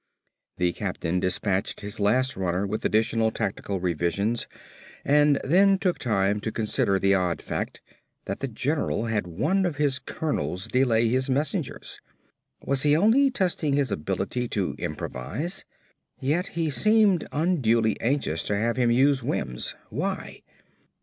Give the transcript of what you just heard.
The captain dispatched his last runner with additional tactical revisions and then took time to consider the odd fact that the general had one of his colonels delay his messengers. Was he only testing his ability to improvise? Yet he seemed unduly anxious to have him use Wims. Why?